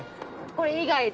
これ以外で。